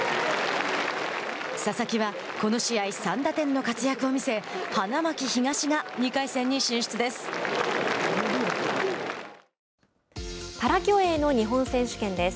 佐々木は、この試合３打点の活躍を見せ花巻東が２回戦に進出です。